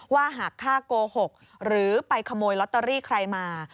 ว่าหากฆ่าโกหกหรือไปขโมยลอตเตอรี่ใครมา